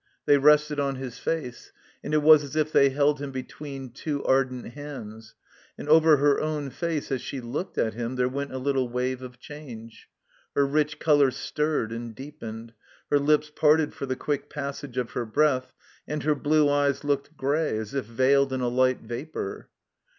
They rested on his face; and it was as if they held him between two ardent hands. And over her own face as she looked at him there went a little wave of change. Her rich color stirred and deepened; her lips parted for the quick passage of her breath ; and her blue eyes looked gray as if veiled in a light vapor.